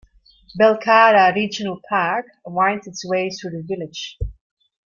Belcarra Regional Park winds its way through the village.